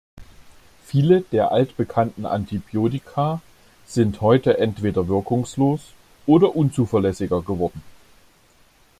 Viele der alt bekannten Antibiotika sind heute entweder wirkungslos oder unzuverlässiger geworden.